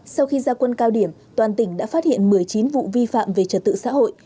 sau khi gia quân cao điểm toàn tỉnh đã phát hiện một mươi chín vụ vi phạm về trật tự xã hội